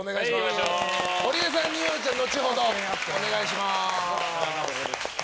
ゴリエさん、二葉ちゃん後ほど、お願いします。